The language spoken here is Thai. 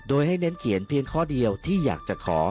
โดยให้เน้นเขียนเพียงข้อเดียวที่อยากจะขอ